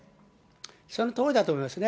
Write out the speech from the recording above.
そのとおりだと思いますね。